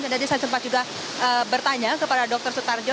dan tadi saya sempat juga bertanya kepada dr sutardjo